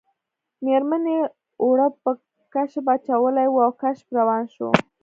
میرمنې اوړه په کشپ اچولي وو او کشپ روان شو